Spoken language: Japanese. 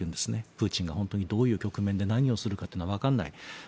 プーチンが本当にどういう局面で何をするかはわからない。